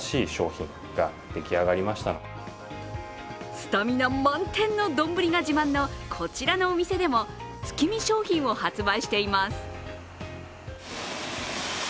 スタミナ満点の丼が自慢のこちらのお店でも月見商品を発売しています。